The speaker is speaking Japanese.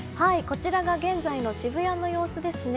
こちらが現在の渋谷の様子です。